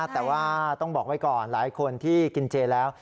แต่ว่าต้องบอกไว้ก่อนหลายคนที่กินเจแล้ว